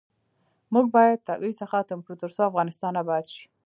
موږ باید تبعیض ختم کړو ، ترڅو افغانستان اباد شي.